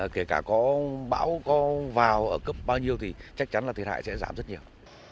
kể cả có bão có vào ở cấp bao nhiêu thì chắc chắn là thiệt hại sẽ giảm rất nhiều